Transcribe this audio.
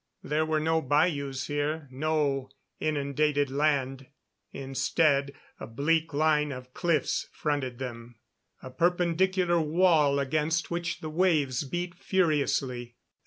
There were no bayous here, no inundated land. Instead, a bleak line of cliffs fronted them a perpendicular wall against which the waves beat furiously.